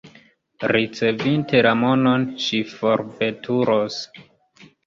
Ricevinte la monon, ŝi forveturos.